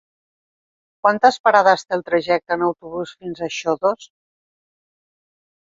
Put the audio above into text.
Quantes parades té el trajecte en autobús fins a Xodos?